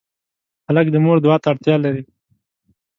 هلک د مور دعا ته اړتیا لري.